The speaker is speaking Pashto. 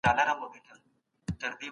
قصاص د مرګ مخه نیسي.